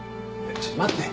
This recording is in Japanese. ちょっと待って！